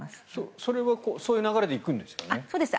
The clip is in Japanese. それはそういう流れで行くんですよね？